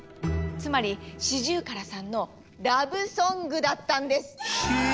つまりシジュウカラさんのラブソングだったんです！